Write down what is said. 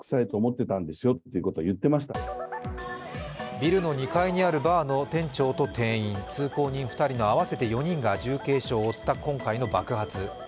ビルの２階にあるバーの店長と店員、通行人２人の合わせて４人が重軽傷を負った今回の爆発。